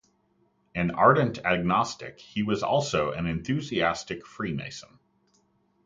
An ardent agnostic, he was also an enthusiastic freemason.